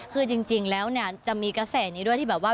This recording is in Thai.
คือจริงแล้วเนี่ยจะมีกระแสนี้ด้วยที่แบบว่า